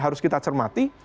harus kita cermati